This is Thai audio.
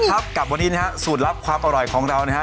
นะครับกับวันนี้สูตรลัพธ์ความอร่อยของเราว่า